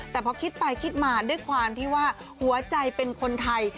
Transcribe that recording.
แต่พอคิดไปคิดมาด้วยความที่ว่าหัวใจเป็นคนไทย